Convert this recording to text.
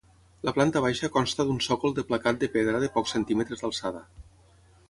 La planta baixa consta d'un sòcol de placat de pedra de pocs centímetres d'alçada.